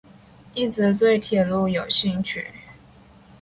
一直对铁路有兴趣。